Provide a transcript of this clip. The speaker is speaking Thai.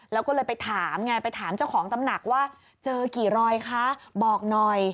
แล้วก็เลยไปถามไงไปถามเจ้าของตำหนักว่าเจอกี่รอยคะบอกหน่อย